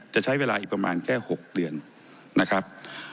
จะใช้เวลาอีกประมาณแค่๖เดือนนะครับ